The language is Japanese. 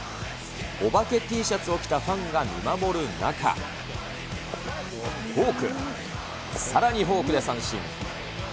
お化けＴシャツを着たファンが見守る中、フォーク、さらにフォークで三振。